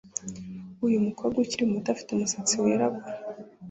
Uyu mukobwa ukiri muto afite umusatsi wirabura